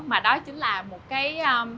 mà đó chính là một cái